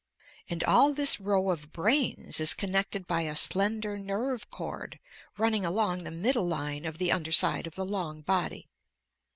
And all this row of brains is connected by a slender nerve cord running along the middle line of the under side of the long body.